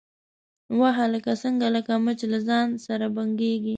_وه هلکه، څنګه لکه مچ له ځان سره بنګېږې؟